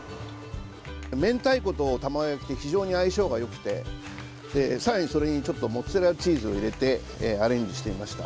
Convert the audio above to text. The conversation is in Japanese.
明太子と卵焼きって非常に相性がよくてで、さらにそれにちょっとモッツァレラチーズを入れてアレンジしてみました。